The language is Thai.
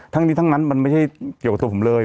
ทั้งนี้ทั้งนั้นมันไม่ใช่เกี่ยวกับตัวผมเลย